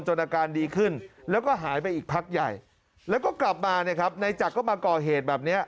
อาการดีขึ้นแล้วก็หายไปอีกพักใหญ่แล้วก็กลับมาเนี่ยครับนายจักรก็มาก่อเหตุแบบนี้